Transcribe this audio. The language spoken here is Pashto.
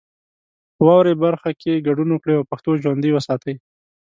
په واورئ برخه کې ګډون وکړئ او پښتو ژوندۍ وساتئ.